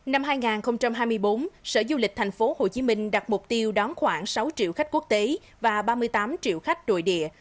năm hai nghìn hai mươi bốn sở du lịch tp hcm đặt mục tiêu đón khoảng sáu triệu khách quốc tế và ba mươi tám triệu khách nội địa